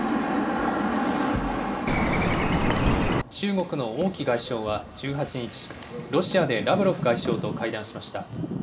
中国の王毅外相は１８日、ロシアでラブロフ外相と会談しました。